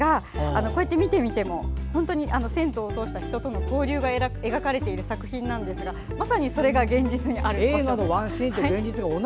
こうやって見てみても銭湯を通した人との交流が描かれている作品なんですがまさにそれが現実にあると。